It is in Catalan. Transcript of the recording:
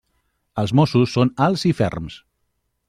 Els mossos són alts i ferms.